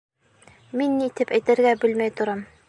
Мин ни тип әйтергә белмәй торам.